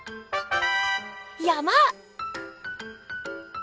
「山」！